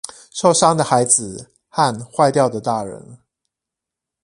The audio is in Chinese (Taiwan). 受傷的孩子和壞掉的大人